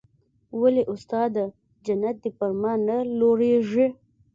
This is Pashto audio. ولې استاده جنت دې پر ما نه لورېږي.